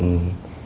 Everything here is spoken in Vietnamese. các đối tượng